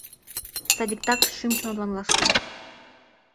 Садиктак шÿм-чонлан ласка.